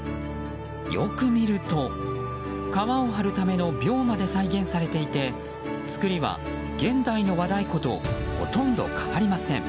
よく見ると、革を張るための鋲まで再現されていて作りは現代の和太鼓とほとんど変わりません。